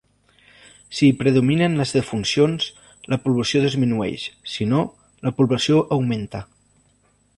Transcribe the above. Si hi predominen les defuncions, la població disminueix, si no, la població augmenta.